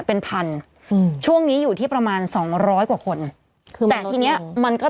เพื่อไม่ให้เชื้อมันกระจายหรือว่าขยายตัวเพิ่มมากขึ้น